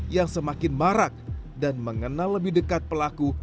yang semakin marak dan mengenal lebih dekat pelaku